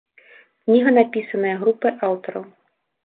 Кніга напісаная групай аўтараў.